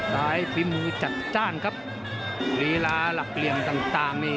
สายฝีมือจัดจ้างครับฬีลาหลับเกลียงต่างนี่